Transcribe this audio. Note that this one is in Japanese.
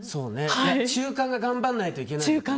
中間が頑張らないといけない。